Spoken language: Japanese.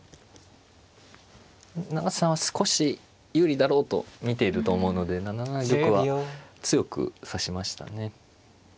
永瀬さんは少し有利だろうと見ていると思うので７七玉は強く指しましたね。